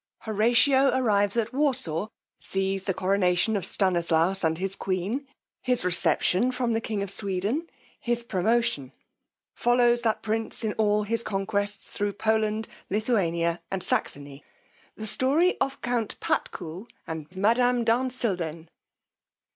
_Horatio arrives at Warsaw, sees the coronation of Stanislaus and his queen: his reception from the king of Sweden: his promotion: follows that prince in all his conquests thro' Poland, Lithuania and Saxony. The story of count Patkul and madame de Eusilden.